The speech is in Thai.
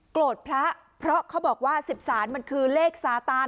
พระเพราะเขาบอกว่า๑๓มันคือเลขสาตาน